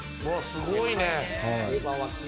すごいね。